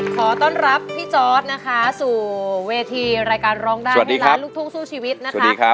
ขอต้อนรับพี่จอร์ดนะคะสู่เวทีรายการร้องได้ให้ล้านลูกทุ่งสู้ชีวิตนะคะ